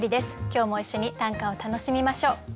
今日も一緒に短歌を楽しみましょう。